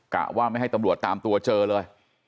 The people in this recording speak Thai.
กะว่าไม่ให้ตำรวจตามตัวเจอเลย